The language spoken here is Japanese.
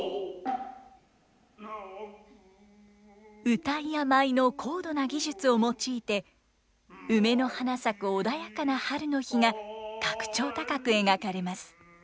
謡や舞の高度な技術を用いて梅の花咲く穏やかな春の日が格調高く描かれます。